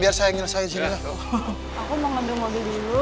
aku mau ngendung mobil dulu